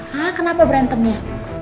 hah kenapa berantemnya